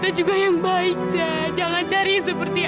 aku udah gak bisa punya anak lagi